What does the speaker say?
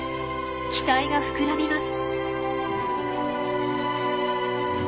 期待が膨らみます。